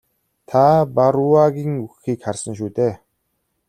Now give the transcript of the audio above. Та Барруагийн үхэхийг харсан шүү дээ?